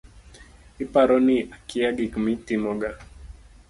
Iparo ni akia gik mitimoga